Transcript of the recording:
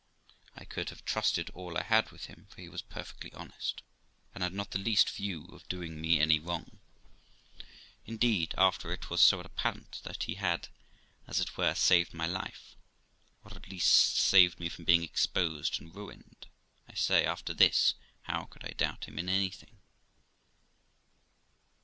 I could have trusted all I had with him, for he was perfectly honest, and had not the least view of doing me any wrong. Indeed, after it was so apparent that he had, as it were, saved my life, or at least saved me from being exposed and ruined I say, after this, how could I doubt him in anything?